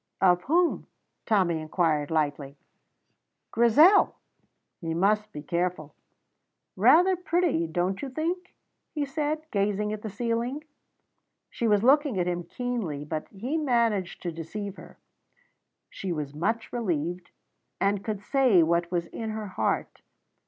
"Of whom?" Tommy inquired lightly. "Grizel." He must be careful. "Rather pretty, don't you think?" he said, gazing at the ceiling. She was looking at him keenly, but he managed to deceive her. She was much relieved, and could say what was in her heart.